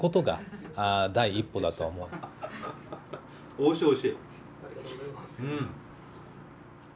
おいしい、おいしい。